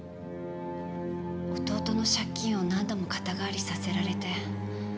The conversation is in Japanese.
弟の借金を何度も肩代わりさせられて。